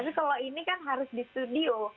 tapi kalau ini kan harus di studio